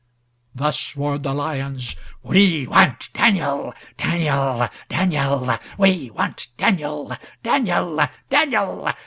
Thus roared the lions:—"We want Daniel, Daniel, Daniel, We want Daniel, Daniel, Daniel.